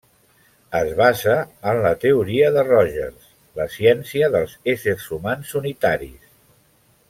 Es basa en la teoria de Rogers, la ciència dels éssers humans unitaris.